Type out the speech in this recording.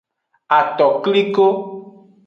Atokliko.